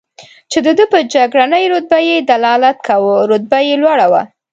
چې د ده پر جګړنۍ رتبه یې دلالت کاوه، رتبه یې لوړه وه.